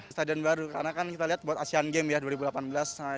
stadion baru karena kan kita lihat buat asean games ya dua ribu delapan belas